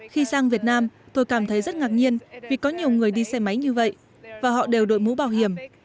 khi sang việt nam tôi cảm thấy rất ngạc nhiên vì có nhiều người đi xe máy như vậy và họ đều đội mũ bảo hiểm